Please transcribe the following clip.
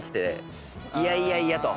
いやいやいやと。